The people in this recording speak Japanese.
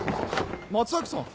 松崎さん。